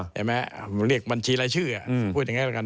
เห็นไหมเรียกบัญชีรายชื่อพูดอย่างนี้แล้วกัน